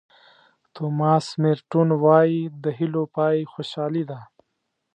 توماس مېرټون وایي د هیلو پای خوشالي ده.